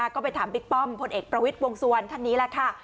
ก็ไปถามบิ๊กป้อมพลเอกประวิทย์วงสุวรรณท่านนี้แหละค่ะ